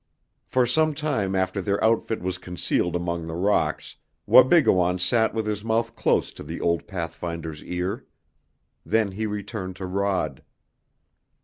For some time after their outfit was concealed among the rocks Wabigoon sat with his mouth close to the old pathfinder's ear. Then he returned to Rod.